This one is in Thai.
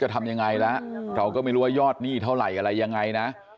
ทำยังไงแล้วเราก็ไม่รู้ว่ายอดหนี้เท่าไหร่อะไรยังไงนะ